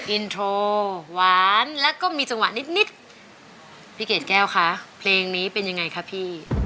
อินโทรหวานแล้วก็มีจังหวะนิดนิดพี่เกดแก้วคะเพลงนี้เป็นยังไงคะพี่